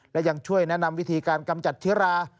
และยังช่วยแนะนำวิธีการกำจัดเชื้อรา